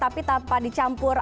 tapi tanpa dicampur